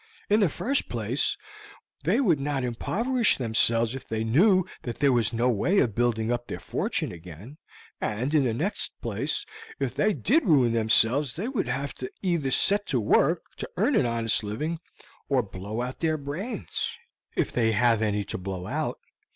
"In the first place, they would not impoverish themselves if they knew that there was no way of building up their fortune again, and in the next place, if they did ruin themselves they would have to either set to work to earn an honest living or blow out their brains, if they have any to blow out.